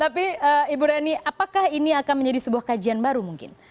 tapi ibu reni apakah ini akan menjadi sebuah kajian baru mungkin